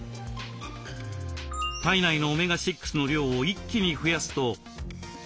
体内のオメガ６の量を一気に増やすと。